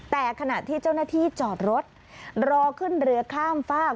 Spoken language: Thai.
แต่ขณะที่เจ้าหน้าที่จอดรถรอขึ้นเรือข้ามฝาก